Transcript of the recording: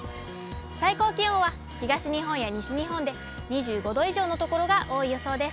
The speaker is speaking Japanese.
最高気温は東日本や西日本で２５度以上の所が多い予想です。